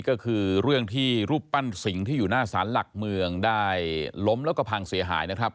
ก็คือเรื่องที่รูปปั้นสิงห์ที่อยู่หน้าสารหลักเมืองได้ล้มแล้วก็พังเสียหายนะครับ